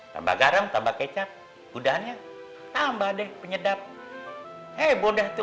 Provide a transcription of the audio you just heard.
tambah garam tambah kecap udahnya tambah deh penyedap eh bodoh tuh